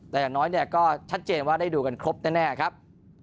แต่อย่างน้อยเนี่ยก็ชัดเจนว่าได้ดูกันครบแน่ครับ